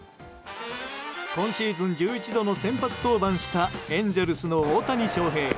今シーズン１１度の先発登板したエンゼルスの大谷翔平。